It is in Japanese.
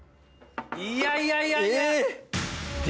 いやいやいや！